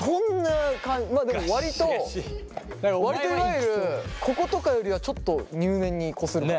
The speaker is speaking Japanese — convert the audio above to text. まあでも割と割といわゆるこことかよりはちょっと入念にこするかも。